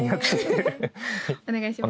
お願いします。